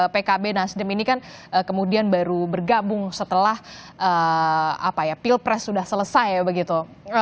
pkb nasdem ini kan kemudian baru bergabung setelah pilpres sudah selesai begitu